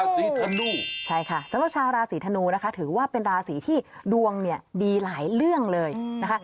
สำหรับชาวราศรีธนูนะคะถือว่าเป็นราศรีที่ดวงมีหลายเรื่องเลยนะคะ